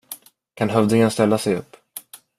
Kan hövdingen ställa sig upp?